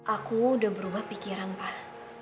aku udah berubah pikiran pak